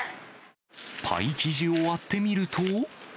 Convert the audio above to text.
パイ生地を割ってみると。